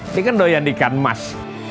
ini kan doyan ikan mas